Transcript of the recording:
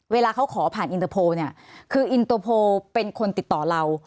เวลาเขาขอผ่านอินเตอร์โพลเนี่ยคืออินเตอร์โพลเป็นคนติดต่อเรา